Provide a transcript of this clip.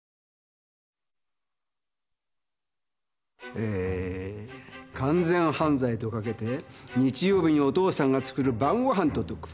えー完全犯罪とかけて日曜日にお父さんが作る晩ごはんと解く。